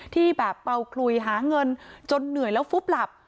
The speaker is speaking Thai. ที่แบบเป่าคลุยหาเงินจนเหนื่อยแล้วฟุบหลับ